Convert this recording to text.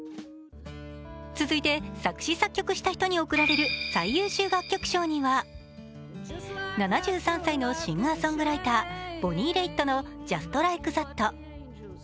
続いて作詞・作曲した人に贈られる最優秀楽曲賞には７３歳のシンガーソングライター、ボニー・レイットの「ジャスト・ライク・ザット」。